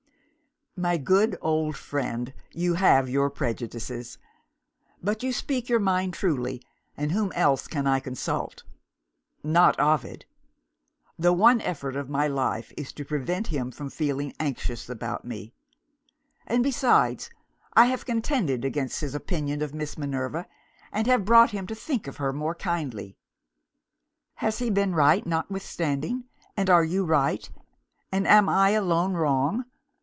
"My good old friend, you have your prejudices. But you speak your mind truly and whom else can I consult? Not Ovid! The one effort of my life is to prevent him from feeling anxious about me. And, besides, I have contended against his opinion of Miss Minerva, and have brought him to think of her more kindly. Has he been right, notwithstanding? and are you right? And am I alone wrong?